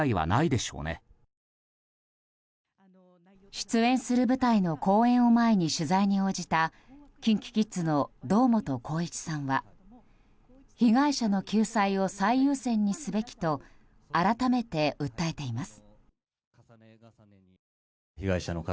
出演する舞台の公演を前に取材に応じたＫｉｎＫｉＫｉｄｓの堂本光一さんは被害者の救済を最優先にすべきと改めて訴えています。